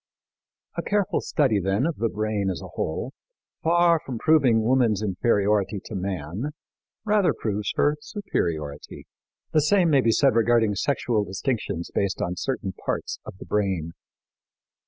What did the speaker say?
A careful study, then, of the brain as a whole, far from proving woman's inferiority to man, rather proves her superiority. The same may be said regarding sexual distinctions based on certain parts of the brain.